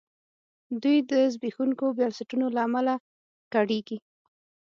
دوی د زبېښونکو بنسټونو له امله کړېږي.